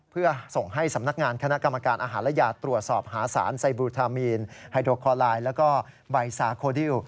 เพื่อส่งให้สำนักงานคณะกรรมการอาหารและยาตรวจสอบหาสารไซบลูทามีนไฮโดคอลายแล้วก็ใบซาโคดิล